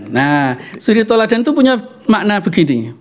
nah suri toladan itu punya makna begini